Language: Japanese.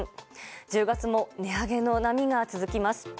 １０月も値上げの波が続きます。